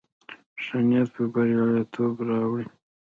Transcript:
ښه نيت برياليتوب راوړي.